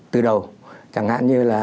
từ đầu chẳng hạn như là